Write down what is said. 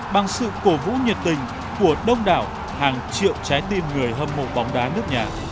bằng sự cổ vũ nhiệt tình của đông đảo hàng triệu trái tim người hâm mộ bóng đá nước nhà